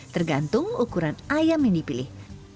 tergantung ukuran ayam yang dipilih